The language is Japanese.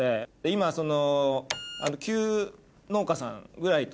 今その。